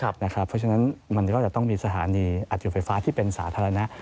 เพราะฉะนั้นมันก็จะต้องมีสถานีอัดจุดไฟฟ้าที่เป็นสาธารณะ